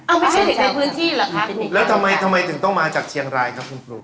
เอาไม่ใช่เด็กในพื้นที่เหรอคะแล้วทำไมทำไมถึงต้องมาจากเชียงรายครับคุณครู